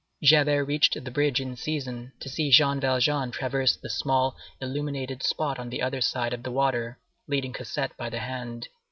Javert reached the bridge in season to see Jean Valjean traverse the small illuminated spot on the other side of the water, leading Cosette by the hand.